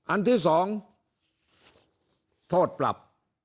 อันที่๒โทษปรับ